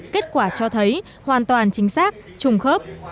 kết quả cho thấy hoàn toàn chính xác trùng khớp